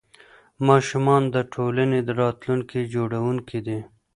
ماشومان د ټولنې راتلونکي جوړوونکي دي.